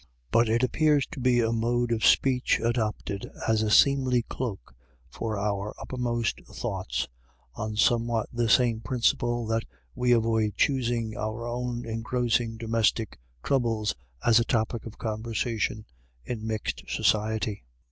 But it appears to be a mode of speech adopted as a seemly cloak for our upper most thoughts, on somewhat the same principle that we avoid choosing our own engrossing domestic troubles as a topic of conversation in mixed society.